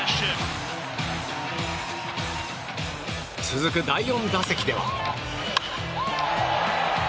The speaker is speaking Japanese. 続く第４打席では。